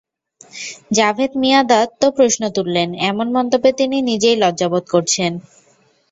জাভেদ মিয়াঁদাদ তো প্রশ্ন তুললেন, এমন মন্তব্যে তিনি নিজেই লজ্জাবোধ করছেন।